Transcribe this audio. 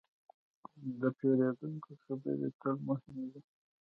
د پیرودونکي خبرې تل مهمې دي.